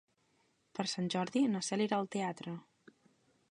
Per Sant Jordi na Cel irà al teatre.